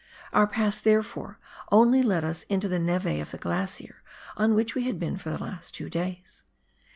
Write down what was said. Our pass, therefore, only led us into the neve of the glacier on which we had been for the last two days.